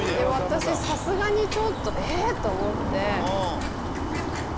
私さすがにちょっと「えっ？」と思って。